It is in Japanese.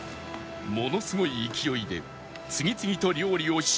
ものすごい勢いで次々と料理を仕上げていく